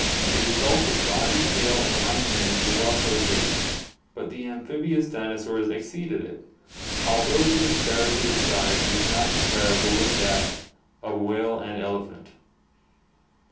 The bulk of body, tail, and hind limbs was also great, but the amphibious dinosaurs exceeded it, although the disparity of size was not comparable with that of whale and ele phant.